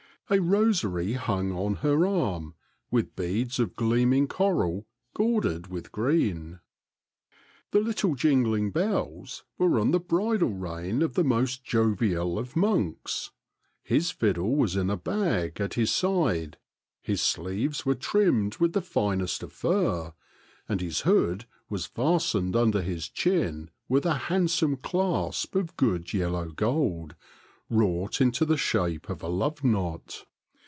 A rosary hung on her arm, with beads of gleaming coral gauded with green. The little jingling bells were on the bridle rein of the most jovial of monks. His fiddle was in a bag at his side, his sleeves were trimmed with the finest of fur, and his hood was fastened under his chin with a hand some clasp of good yellow gold, wrought into the shape of a love knot.